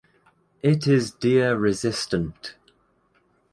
It is deer resistant.